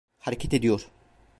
Hareket ediyor.